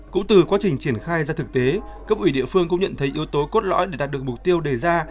cũng từ quá trình triển khai ra thực tế cấp ủy địa phương cũng nhận thấy yếu tố cốt lõi để đạt được mục tiêu đề ra